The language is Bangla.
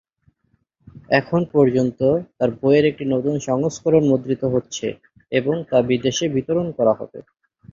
এখন পর্যন্ত, তার বইয়ের একটি নতুন সংস্করণ মুদ্রিত হচ্ছে এবং তা বিদেশে বিতরণ করা হবে।